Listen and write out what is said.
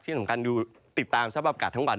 ที่สำคัญอยู่ติดตามระบบไก่ให้ทั้งวัน